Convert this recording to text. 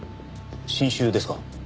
新種ですか？